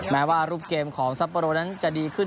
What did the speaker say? แม้ว่ารูปเกมของซัปโปโรนั้นจะดีขึ้น